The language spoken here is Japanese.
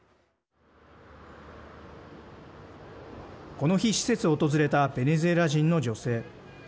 この日施設を訪れたベネズエラ人の女性。